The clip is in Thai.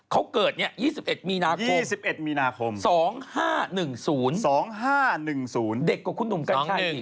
เขาเกิด๒๑มีนาคม๑๑มีนาคม๒๕๑๐๒๕๑๐เด็กกว่าคุณหนุ่มกัญชัยอีก